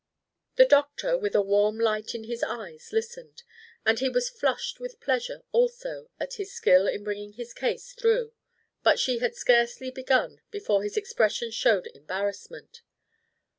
The doctor with a warm light in his eyes listened; and he was flushed with pleasure also at his skill in bringing his case through; but she had scarcely begun before his expression showed embarrassment.